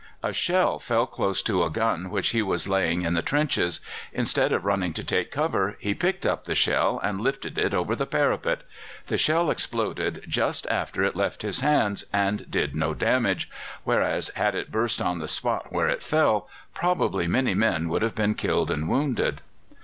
A shell fell close to a gun which he was laying in the trenches. Instead of running to take cover, he picked up the shell and lifted it over the parapet. The shell exploded just after it left his hands, and did no damage, whereas had it burst on the spot where it fell, probably many men would have been killed and wounded.